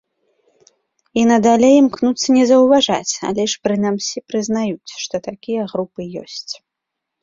І надалей імкнуцца не заўважаць, але ж прынамсі прызнаюць, што такія групы ёсць.